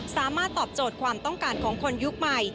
สามารถตอบโจทย์ความต้องการของคนยุคใหม่